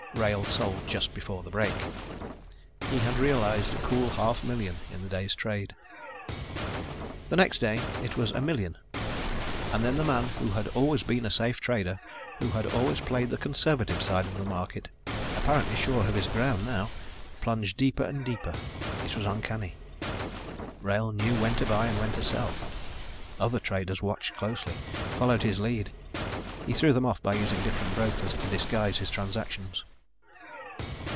Wrail sold just before the break. He had realized a cool half million in the day's trade. The next day it was a million and then the man who had always been a safe trader, who had always played the conservative side of the market, apparently sure of his ground now, plunged deeper and deeper. It was uncanny. Wrail knew when to buy and when to sell. Other traders watched closely, followed his lead. He threw them off by using different brokers to disguise his transactions.